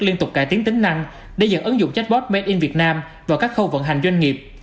liên tục cải tiến tính năng để dẫn ứng dụng chatbot made in việt nam vào các khâu vận hành doanh nghiệp